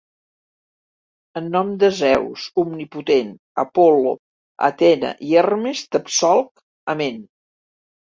En nom de Zeus omnipotent, Apol·lo, Atena i Hermes, t’absolc. Amén.